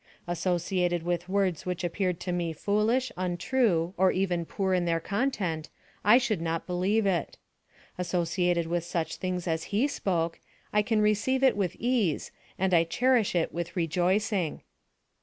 Associated with words which appeared to me foolish, untrue, or even poor in their content, I should not believe it. Associated with such things as he spoke, I can receive it with ease, and I cherish it with rejoicing.